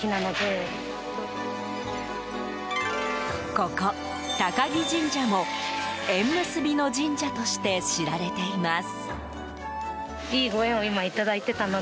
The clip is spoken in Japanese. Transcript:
ここ、高木神社も縁結びの神社として知られています。